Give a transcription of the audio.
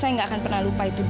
saya gak akan pernah lupa itu bu